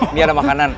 ini ada makanan